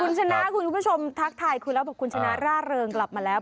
คุณชนะคุณผู้ชมทักทายคุณแล้วบอกคุณชนะร่าเริงกลับมาแล้ว